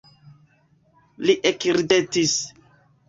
Li ekridetis.